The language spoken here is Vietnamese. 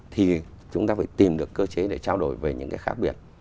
thì chúng ta phải tìm được cơ chế để trao đổi về những cái khác biệt